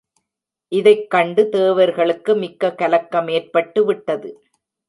இதைக் கண்டு தேவர்களுக்கு மிக்க கலக்கம் ஏற்பட்டு விட்டது.